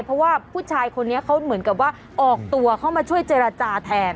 เพราะว่าผู้ชายคนนี้เขาเหมือนกับว่าออกตัวเข้ามาช่วยเจรจาแทน